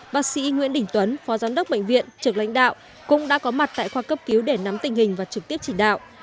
bác sĩ nguyễn đình tuấn phó giám đốc bệnh viện trực lãnh đạo cũng đã có mặt tại khoa cấp cứu để nắm tình hình và trực tiếp chỉ đạo